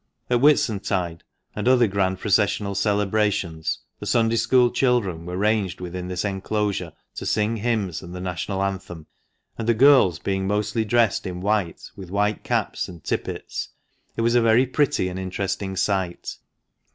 At Whitsuntide and other grand processional celebrations, the Sunday school children were ranged within this enclosure to sing hymns and the National Anthem ; and the girls being mostly dressed in white, with white caps and tippets, it was a very pretty and interesting sight.